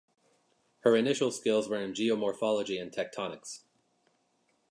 Her initial skills were in geomorphology and tectonics.